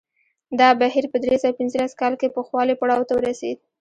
دا بهیر په درې سوه پنځلس کال کې پوخوالي پړاو ته ورسېد